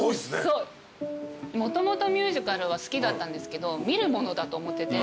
もともとミュージカルは好きだったんですけど見るものだと思ってて。